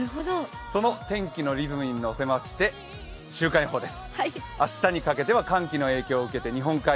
その天気のリズムに乗せまして週間予報です。